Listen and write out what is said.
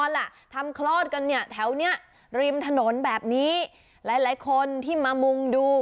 หลายคนที่มามุงดู